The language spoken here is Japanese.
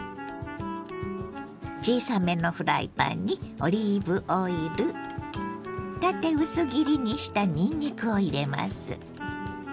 小さめのフライパンにオリーブオイル縦薄切りにしたにんにくを入れます。